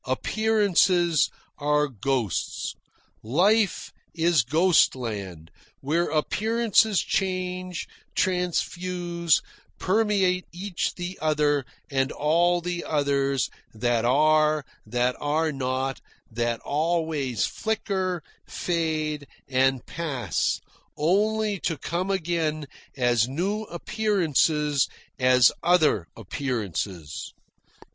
Appearances are ghosts. Life is ghost land, where appearances change, transfuse, permeate each the other and all the others, that are, that are not, that always flicker, fade, and pass, only to come again as new appearances, as other appearances.